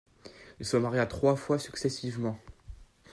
Il se maria trois fois successivement.